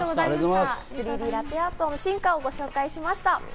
３Ｄラテアートの進化をご紹介しました。